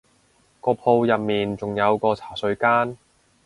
個鋪入面仲有個茶水間